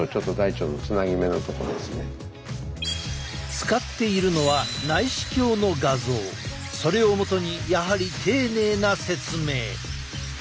使っているのはそれを基にやはり丁寧な説明。